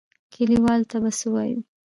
کليوالو ته به څه وايو.